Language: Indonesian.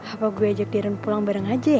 apa gue ajak direm pulang bareng aja ya